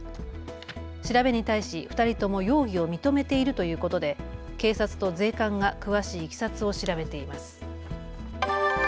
調べに対し２人とも容疑を認めているということで警察と税関が詳しいいきさつを調べています。